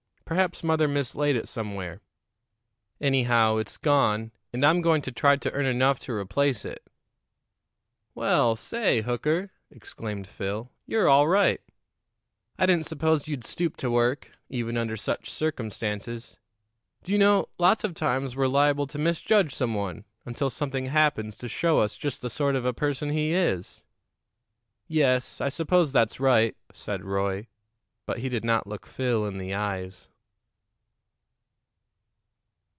Perhaps mother mislaid it somewhere. Anyhow, it's gone, and I'm going to try to earn enough to replace it." "Well, say, Hooker," exclaimed Phil, "you're all right! I didn't suppose you'd stoop to work, even under such circumstances. Do you know, lots of times we're liable to misjudge some one until something happens to show us just the sort of a person he is." "Yes; I suppose that's right," said Roy. But he did not look Phil in the eyes.